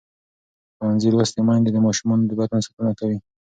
ښوونځې لوستې میندې د ماشومانو د بدن ساتنه کوي.